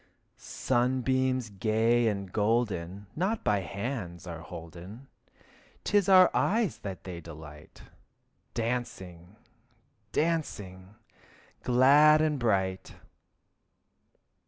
Sunbeams gay and golden Not by hands are holden. 'Tis our eyes that they delight, Dancing, dancing, glad and bright.